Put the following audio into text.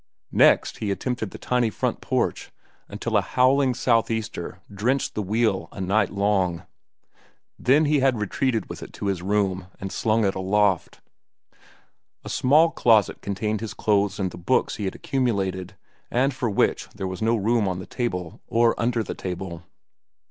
Next he attempted the tiny front porch, until a howling southeaster drenched the wheel a night long. Then he had retreated with it to his room and slung it aloft. A small closet contained his clothes and the books he had accumulated and for which there was no room on the table or under the table.